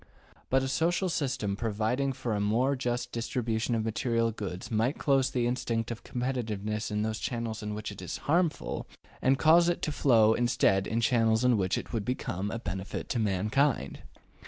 But a social system providing for a more just distribution of material goods might close to the instinct of competitiveness those channels in which it is harmful, and cause it to flow instead in channels in which it would become a benefit to mankind.